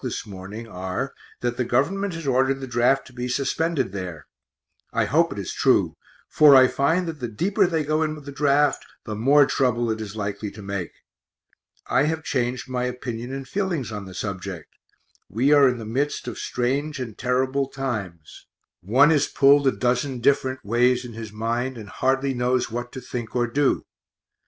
this morning are that the Gov't has ordered the draft to be suspended there I hope it is true, for I find that the deeper they go in with the draft, the more trouble it is likely to make. I have changed my opinion and feelings on the subject we are in the midst of strange and terrible times one is pulled a dozen different ways in his mind, and hardly knows what to think or do.